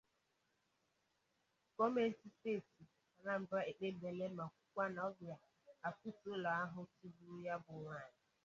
gọọmenti steeti Anambra ekpebiela ma kwuwaa na ọ ga-akụtù ụlọ ahụ tigburu ya bụ nwaanyị